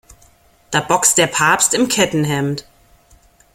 Da boxt der Papst im Kettenhemd.